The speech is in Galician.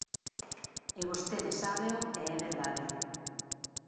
E vostede sábeo, e é verdade.